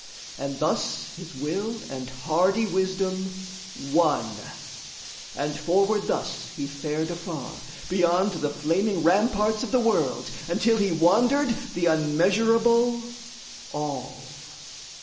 And thus his will and hardy wisdom won; And forward thus he fared afar, beyond The flaming ramparts of the world, until He wandered the unmeasurable All.